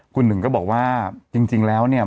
คุณหนึ่งก็บอกว่าจริงแล้วเนี่ย